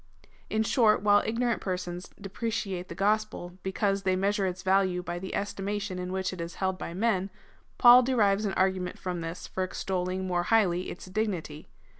In short, while ignorant persons depreciate the gospel, because they measure its value by the estimation in which it is held by men, Paul derives an argument from this for extolling more highly its dignity.